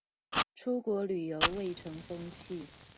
出國旅遊蔚成風氣